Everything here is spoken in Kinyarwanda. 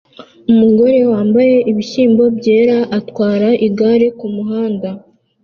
Umugore wambaye ibishyimbo byera atwara igare kumuhanda